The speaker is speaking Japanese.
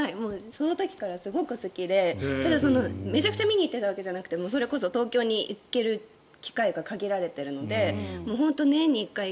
その頃からすごく好きでただ、めちゃくちゃ見に行っていたわけじゃなくてそれこそ東京に行ける機会が限られているので。